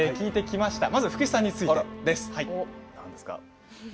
まず福士さんについてです。